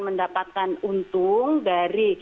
mendapatkan untung dari